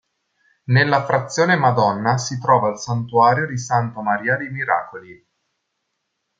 Nella frazione Madonna si trova il Santuario di Santa Maria dei Miracoli.